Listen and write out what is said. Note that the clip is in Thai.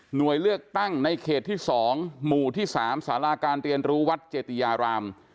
เลือกตั้งในเขตที่๒หมู่ที่๓สาราการเรียนรู้วัดเจติยาราม